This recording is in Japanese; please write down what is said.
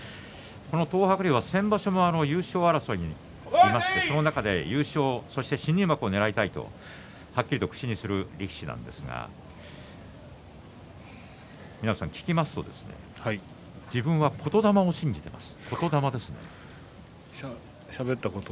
この東白龍は先場所も優勝争いにいましてその中で優勝そして新入幕をねらいたいとはっきりと口にする力士なんですが湊さん、聞きますと自分は言霊を信じていますと。